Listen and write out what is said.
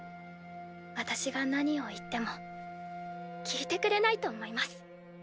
私が何を言っても聞いてくれないと思います。